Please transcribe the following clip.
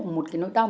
một cái nỗi đau